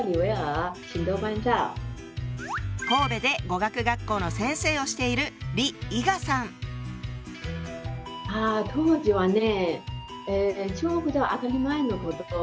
神戸で語学学校の先生をしているああ当時はね